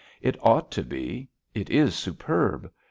It ought to be. It is superb.